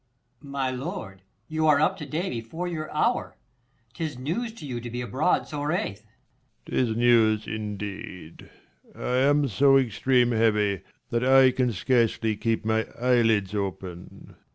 Per. My lord, you are up to day before your hour, 'Tis news to you to be abroad so rathe. Leir. 'Tis news indeed, I am so extreme heavy, That I can scarcely keep my eye lids open.